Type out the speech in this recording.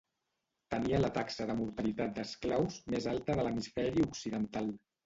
Tenia la taxa de mortalitat d'esclaus més alta de l'hemisferi occidental.